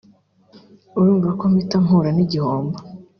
urumva ko mpita mpura n’igihombo